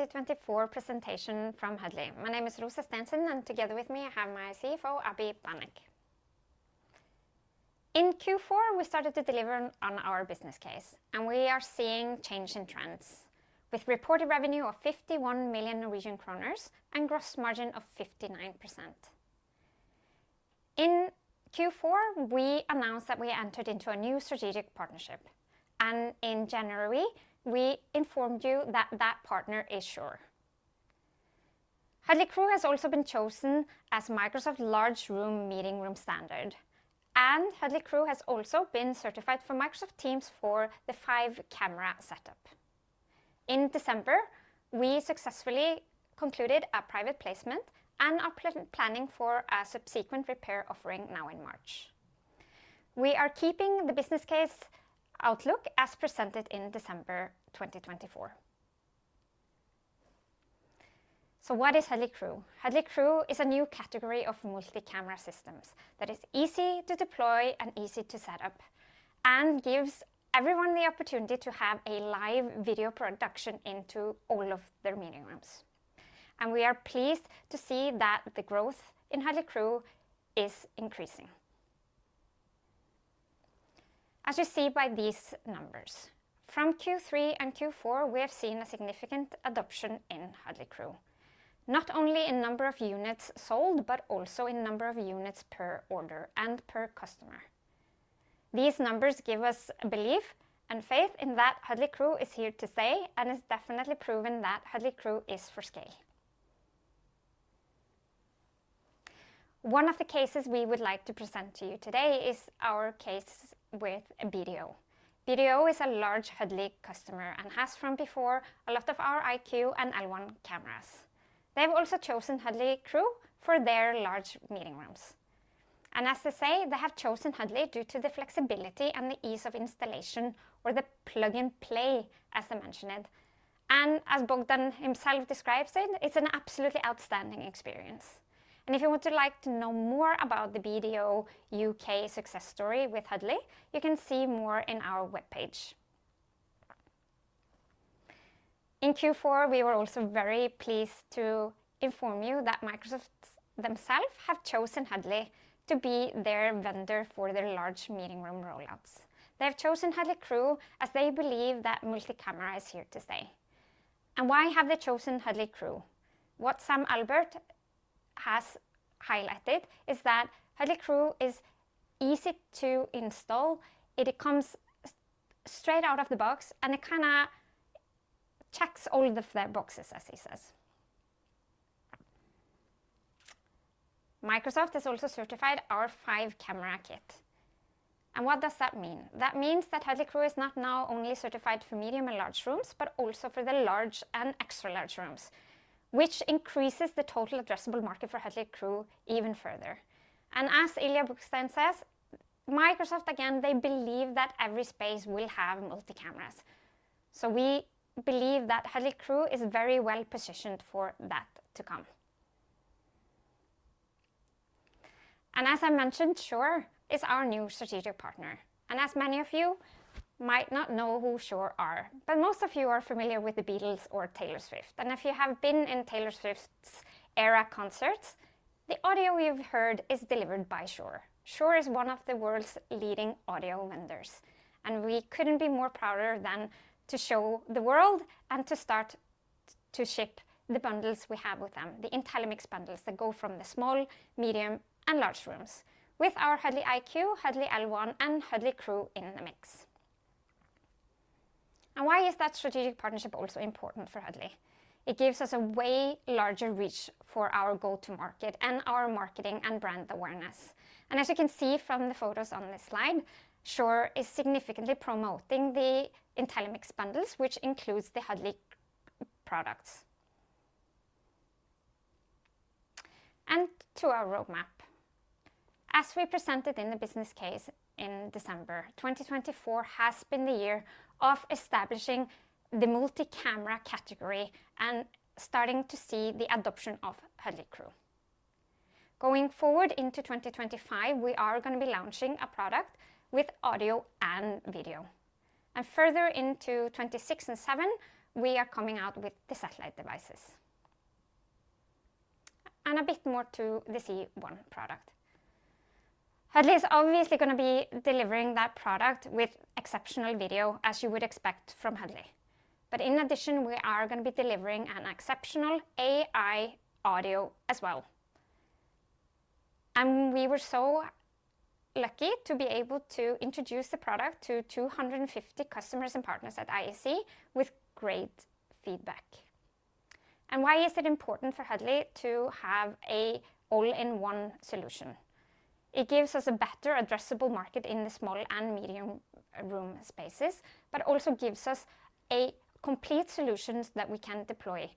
2024 presentation from Huddly. My name is Rósa Stensen, and together with me I have my CFO, Abhijit Banik. In Q4, we started to deliver on our business case, and we are seeing change in trends with reported revenue of 51 million Norwegian kroner and gross margin of 59%. In Q4, we announced that we entered into a new strategic partnership, and in January, we informed you that that partner is Shure. Huddly Crew has also been chosen as Microsoft large room meeting room standard, and Huddly Crew has also been certified for Microsoft Teams for the five camera setup. In December, we successfully concluded a private placement and are planning for a subsequent repair offering now in March. We are keeping the business case outlook as presented in December 2024. What is Huddly Crew? Huddly Crew is a new category of multi-camera systems that is easy to deploy and easy to set up and gives everyone the opportunity to have a live video production into all of their meeting rooms. We are pleased to see that the growth in Huddly Crew is increasing. As you see by these numbers, from Q3 and Q4, we have seen a significant adoption in Huddly Crew, not only in number of units sold, but also in number of units per order and per customer. These numbers give us belief and faith in that Huddly Crew is here to stay and is definitely proven that Huddly Crew is for scale. One of the cases we would like to present to you today is our case with BDO. BDO is a large Huddly customer and has from before a lot of our IQ and L1 cameras. They've also chosen Huddly Crew for their large meeting rooms. As they say, they have chosen Huddly due to the flexibility and the ease of installation or the plug and play, as they mention it. As Bogdan himself describes it, it's an absolutely outstanding experience. If you would like to know more about the BDO U.K success story with Huddly, you can see more on our webpage. In Q4, we were also very pleased to inform you that Microsoft themselves have chosen Huddly to be their vendor for their large meeting room rollouts. They have chosen Huddly Crew as they believe that multi-camera is here to stay. Why have they chosen Huddly Crew? What Sam Albert has highlighted is that Huddly Crew is easy to install. It comes straight out of the box, and it kind of checks all of the boxes, as he says. Microsoft has also certified our five camera kit. That means that Huddly Crew is not now only certified for medium and large rooms, but also for the large and extra large rooms, which increases the total addressable market for Huddly Crew even further. As Ilya Bukshteyn says, Microsoft, again, they believe that every space will have multi-cameras. We believe that Huddly Crew is very well positioned for that to come. As I mentioned, Shure is our new strategic partner. Many of you might not know who Shure are, but most of you are familiar with the Beatles or Taylor Swift. If you have been in Taylor Swift's Eras concerts, the audio you've heard is delivered by Shure. Shure is one of the world's leading audio vendors, and we could not be more prouder than to show the world and to start to ship the bundles we have with them, the IntelliMix bundles that go from the small, medium, and large rooms with our Huddly IQ, Huddly L1, and Huddly Crew in the mix. Why is that strategic partnership also important for Huddly? It gives us a way larger reach for our go-to-market and our marketing and brand awareness. As you can see from the photos on this slide, Shure is significantly promoting the IntelliMix bundles, which includes the Huddly products. To our roadmap, as we presented in the business case in December, 2024 has been the year of establishing the multi-camera category and starting to see the adoption of Huddly Crew. Going forward into 2025, we are going to be launching a product with audio and video. Further into 2026 and 2027, we are coming out with the satellite devices. A bit more to the C1 product, Huddly is obviously going to be delivering that product with exceptional video, as you would expect from Huddly. In addition, we are going to be delivering an exceptional AI audio as well. We were so lucky to be able to introduce the product to 250 customers and partners at ISE with great feedback. Why is it important for Huddly to have an all-in-one solution? It gives us a better addressable market in the small and medium room spaces, but also gives us a complete solution that we can deploy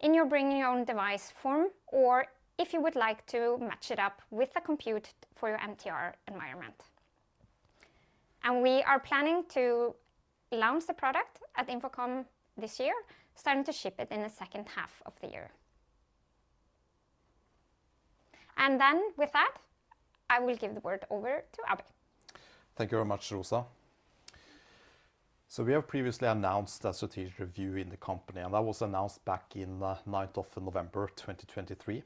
in your bring-your-own-device form or if you would like to match it up with a compute for your MTR environment. We are planning to launch the product at InfoComm this year, starting to ship it in the second half of the year. With that, I will give the word over to Abhijit. Thank you very much, Rósa. We have previously announced a strategic review in the company, and that was announced back in the night of November 2023.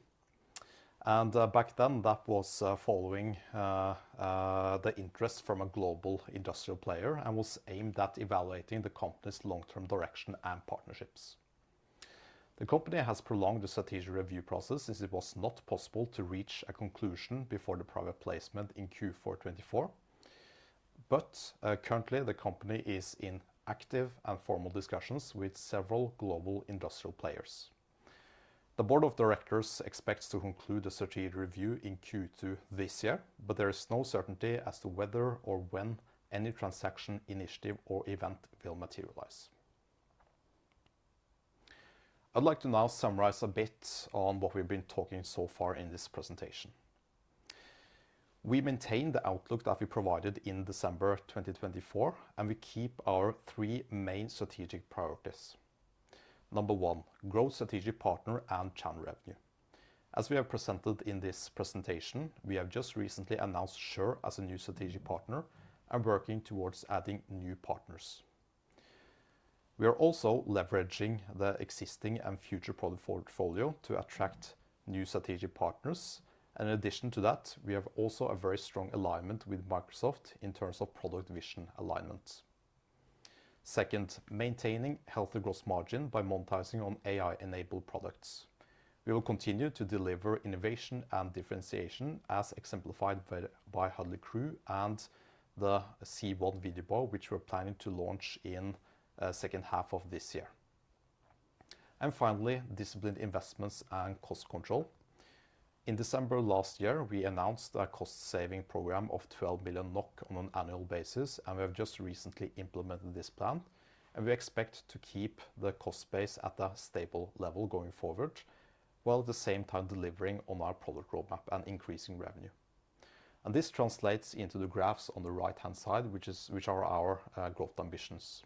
Back then, that was following the interest from a global industrial player and was aimed at evaluating the company's long-term direction and partnerships. The company has prolonged the strategic review process since it was not possible to reach a conclusion before the private placement in Q4 2024. Currently, the company is in active and formal discussions with several global industrial players. The board of directors expects to conclude the strategic review in Q2 this year, but there is no certainty as to whether or when any transaction, initiative, or event will materialize. I'd like to now summarize a bit on what we've been talking so far in this presentation. We maintain the outlook that we provided in December 2024, and we keep our three main strategic priorities. Number one, grow strategic partner and channel revenue. As we have presented in this presentation, we have just recently announced Shure as a new strategic partner and working towards adding new partners. We are also leveraging the existing and future product portfolio to attract new strategic partners. In addition to that, we have also a very strong alignment with Microsoft in terms of product vision alignment. Second, maintaining healthy gross margin by monetizing on AI-enabled products. We will continue to deliver innovation and differentiation as exemplified by Huddly Crew and the C1 video bar, which we are planning to launch in the second half of this year. Finally, disciplined investments and cost control. In December last year, we announced a cost-saving program of 12 million NOK on an annual basis, and we have just recently implemented this plan. We expect to keep the cost base at a stable level going forward while at the same time delivering on our product roadmap and increasing revenue. This translates into the graphs on the right-hand side, which are our growth ambitions.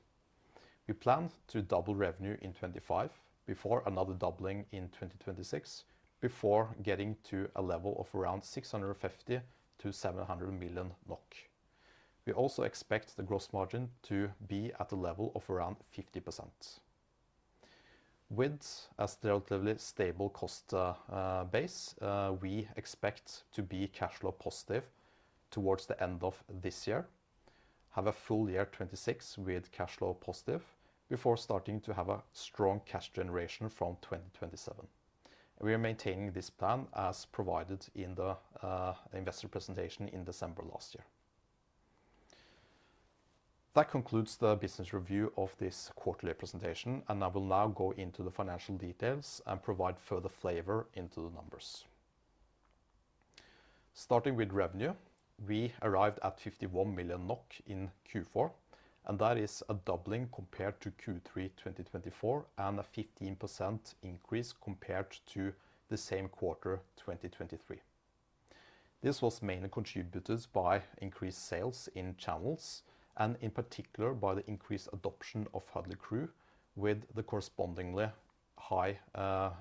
We plan to double revenue in 2025 before another doubling in 2026, before getting to a level of around 650-700 million NOK. We also expect the gross margin to be at a level of around 50%. With a relatively stable cost base, we expect to be cash flow positive towards the end of this year, have a full year 2026 with cash flow positive before starting to have a strong cash generation from 2027. We are maintaining this plan as provided in the investor presentation in December last year. That concludes the business review of this quarterly presentation, and I will now go into the financial details and provide further flavor into the numbers. Starting with revenue, we arrived at 51 million NOK in Q4, and that is a doubling compared to Q3 2024 and a 15% increase compared to the same quarter 2023. This was mainly contributed by increased sales in channels and in particular by the increased adoption of Huddly Crew with the correspondingly higher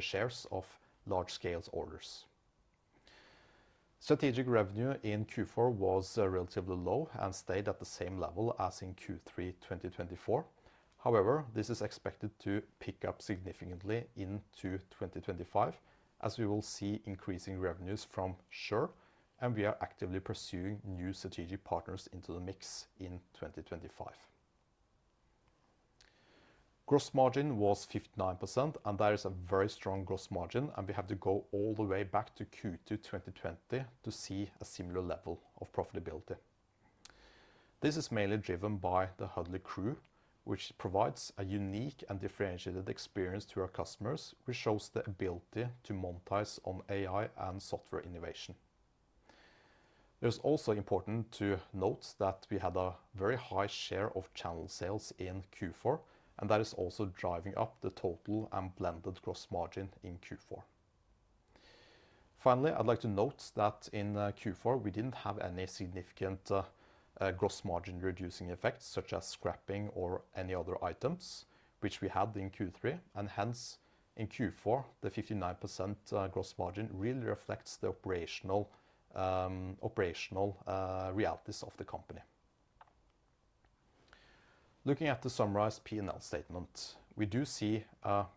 shares of large-scale orders. Strategic revenue in Q4 was relatively low and stayed at the same level as in Q3 2024. However, this is expected to pick up significantly into 2025 as we will see increasing revenues from Shure, and we are actively pursuing new strategic partners into the mix in 2025. Gross margin was 59%, and that is a very strong gross margin, and we have to go all the way back to Q2 2020 to see a similar level of profitability. This is mainly driven by the Huddly Crew, which provides a unique and differentiated experience to our customers, which shows the ability to monetize on AI and software innovation. It was also important to note that we had a very high share of channel sales in Q4, and that is also driving up the total and blended gross margin in Q4. Finally, I'd like to note that in Q4, we didn't have any significant gross margin reducing effects such as scrapping or any other items, which we had in Q3, and hence in Q4, the 59% gross margin really reflects the operational realities of the company. Looking at the summarized P&L statement, we do see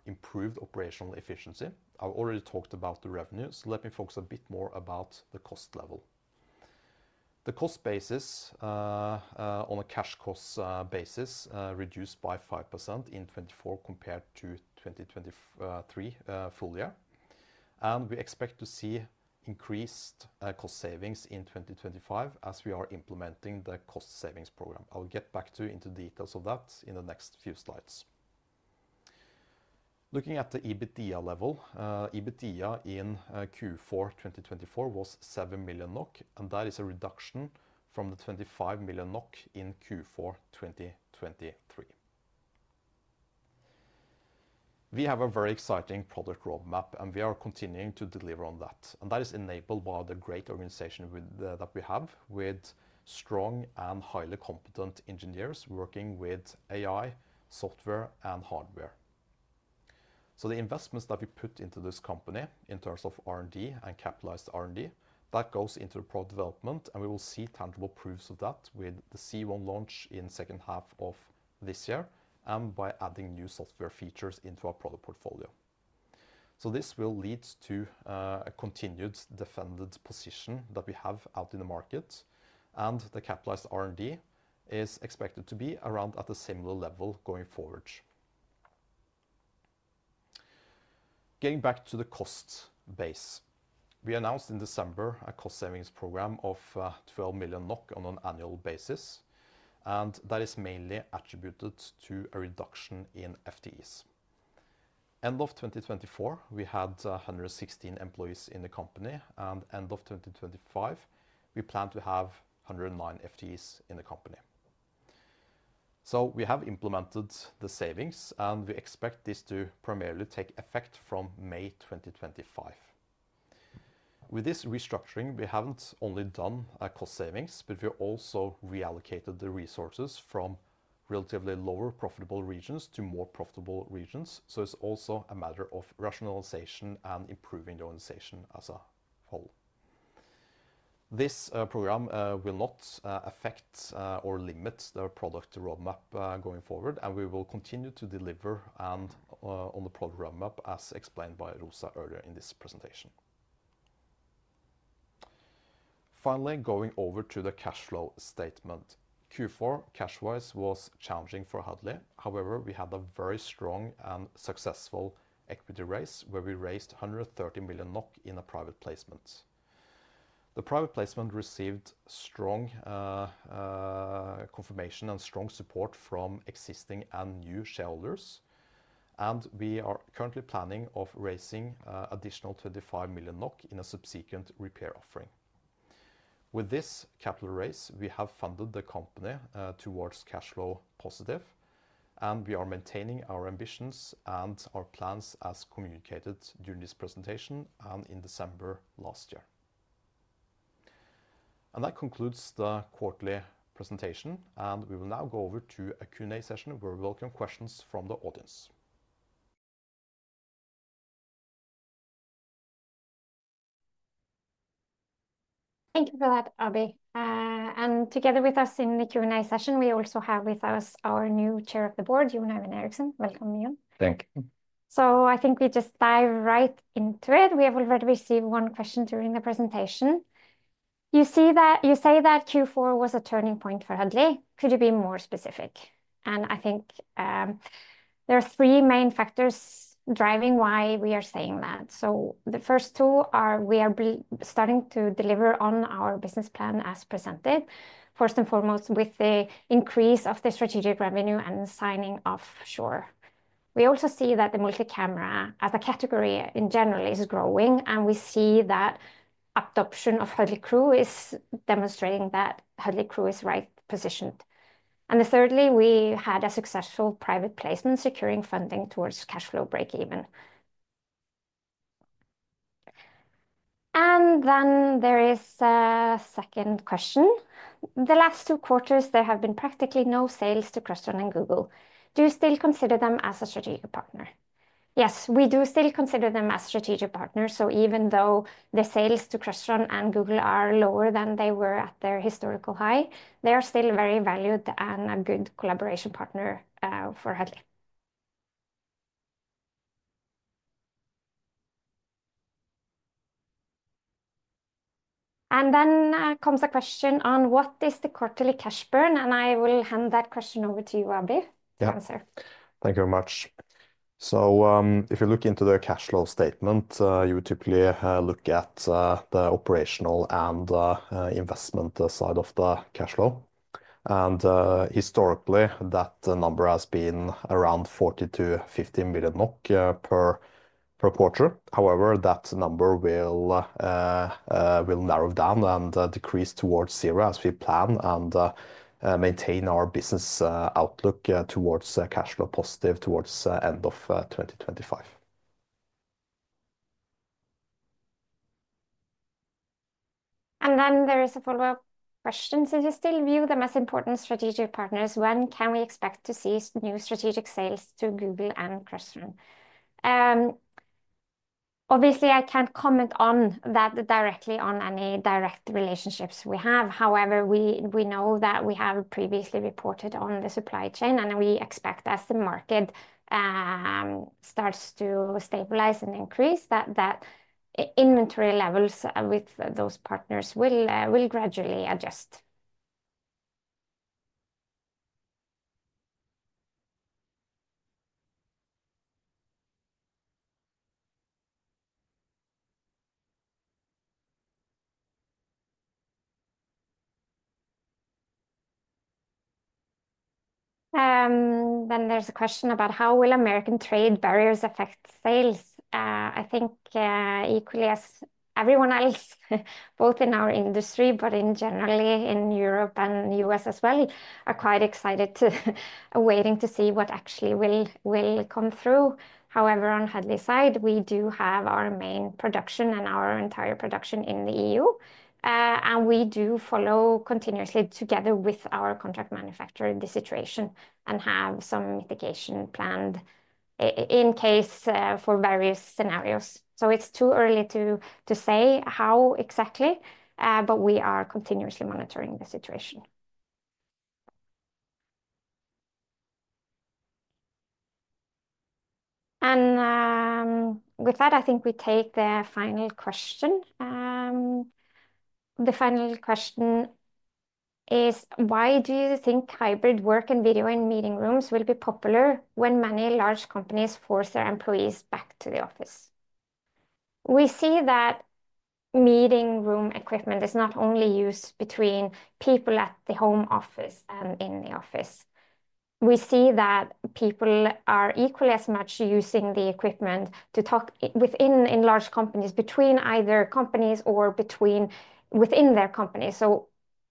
improved operational efficiency. I've already talked about the revenue, so let me focus a bit more about the cost level. The cost basis on a cash cost basis reduced by 5% in 2024 compared to 2023 full year, and we expect to see increased cost savings in 2025 as we are implementing the cost savings program. I'll get back to you into the details of that in the next few slides. Looking at the EBITDA level, EBITDA in Q4 2024 was 7 million NOK, and that is a reduction from the 25 million NOK in Q4 2023. We have a very exciting product roadmap, and we are continuing to deliver on that. That is enabled by the great organization that we have with strong and highly competent engineers working with AI, software, and hardware. The investments that we put into this company in terms of R&D and capitalized R&D, that goes into the product development, and we will see tangible proofs of that with the C1 launch in the second half of this year and by adding new software features into our product portfolio. This will lead to a continued defended position that we have out in the market, and the capitalized R&D is expected to be around at a similar level going forward. Getting back to the cost base, we announced in December a cost savings program of 12 million NOK on an annual basis, and that is mainly attributed to a reduction in FTEs. End of 2024, we had 116 employees in the company, and end of 2025, we plan to have 109 FTEs in the company. We have implemented the savings, and we expect this to primarily take effect from May 2025. With this restructuring, we have not only done cost savings, but we have also reallocated the resources from relatively lower profitable regions to more profitable regions. It is also a matter of rationalization and improving the organization as a whole. This program will not affect or limit the product roadmap going forward, and we will continue to deliver on the product roadmap as explained by Rósa earlier in this presentation. Finally, going over to the cash flow statement, Q4 cash wise was challenging for Huddly. However, we had a very strong and successful equity raise where we raised 130 million NOK in a private placement. The private placement received strong confirmation and strong support from existing and new shareholders, and we are currently planning on raising an additional 25 million NOK in a subsequent repair offering. With this capital raise, we have funded the company towards cash flow positive, and we are maintaining our ambitions and our plans as communicated during this presentation and in December last year. That concludes the quarterly presentation, and we will now go over to a Q&A session where we welcome questions from the audience. Thank you for that, Abhijit. Together with us in the Q&A session, we also have with us our new Chair of the Board, Jon Øyvind Eriksen. Welcome, Jon. Thank you. I think we just dive right into it. We have already received one question during the presentation. You say that Q4 was a turning point for Huddly. Could you be more specific? I think there are three main factors driving why we are saying that. The first two are we are starting to deliver on our business plan as presented, first and foremost with the increase of the strategic revenue and signing off Shure. We also see that the multi-camera as a category in general is growing, and we see that adoption of Huddly Crew is demonstrating that Huddly Crew is right positioned. Thirdly, we had a successful private placement securing funding towards cash flow break-even. There is a second question. The last two quarters, there have been practically no sales to Crestron and Google. Do you still consider them as a strategic partner? Yes, we do still consider them as a strategic partner. Even though the sales to Crestron and Google are lower than they were at their historical high, they are still very valued and a good collaboration partner for Huddly. Then comes a question on what is the quarterly cash burn, and I will hand that question over to you, Abhijit. Yeah, thank you very much. If you look into the cash flow statement, you typically look at the operational and investment side of the cash flow. Historically, that number has been around 40 million-50 million NOK per quarter. However, that number will narrow down and decrease towards zero as we plan and maintain our business outlook towards cash flow positive towards the end of 2025. There is a follow-up question. Since you still view them as important strategic partners, when can we expect to see new strategic sales to Google and Crestron? Obviously, I can't comment on that directly on any direct relationships we have. However, we know that we have previously reported on the supply chain, and we expect as the market starts to stabilize and increase that inventory levels with those partners will gradually adjust. There is a question about how will American trade barriers affect sales. I think equally as everyone else, both in our industry, but generally in Europe and the US as well, are quite excited to waiting to see what actually will come through. However, on Huddly's side, we do have our main production and our entire production in the EU, and we do follow continuously together with our contract manufacturer in this situation and have some mitigation planned in case for various scenarios. It is too early to say how exactly, but we are continuously monitoring the situation. With that, I think we take the final question. The final question is, why do you think hybrid work and video in meeting rooms will be popular when many large companies force their employees back to the office? We see that meeting room equipment is not only used between people at the home office and in the office. We see that people are equally as much using the equipment to talk within large companies, between either companies or within their companies.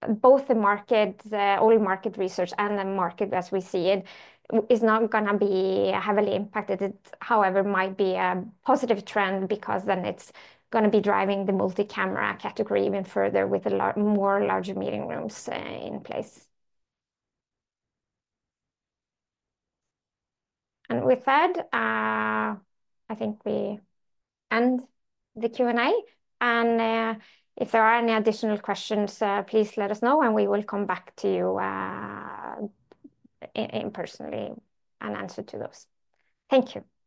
Both the market, all market research, and the market as we see it is not going to be heavily impacted. However, it might be a positive trend because then it is going to be driving the multi-camera category even further with more larger meeting rooms in place. With that, I think we end the Q&A. If there are any additional questions, please let us know, and we will come back to you in person and answer to those. Thank you.